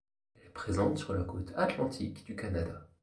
Elle est présente sur la côte atlantique du Canada.